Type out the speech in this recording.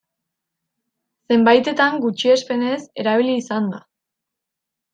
Zenbaitetan gutxiespenez erabili izan da.